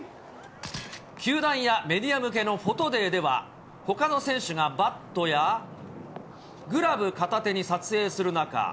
球団やメディア向けのフォトデーでは、ほかの選手がバットやグラブ片手に撮影する中。